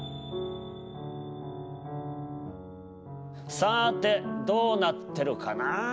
さてどうなってるかな？